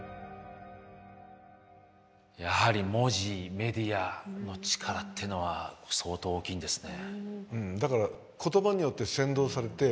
やはり文字メディアの力ってのは相当大きいんですね。